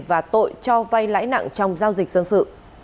và tội cho vay lãnh đặng trong giao dịch dân sự